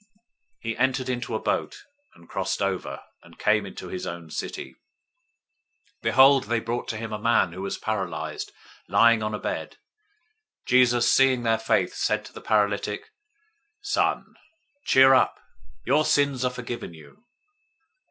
009:001 He entered into a boat, and crossed over, and came into his own city. 009:002 Behold, they brought to him a man who was paralyzed, lying on a bed. Jesus, seeing their faith, said to the paralytic, "Son, cheer up! Your sins are forgiven you."